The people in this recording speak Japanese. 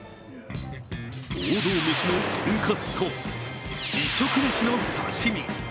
王道メシのとんかつと、異色メシの刺身。